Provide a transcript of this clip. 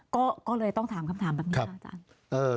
ก็เลยต้องถามคำถามแบบนี้ค่ะอาจารย์